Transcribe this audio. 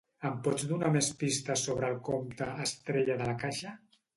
Em pots donar més pistes sobre el compte Estrella de La Caixa?